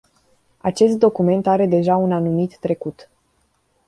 Acest document are deja un anumit trecut.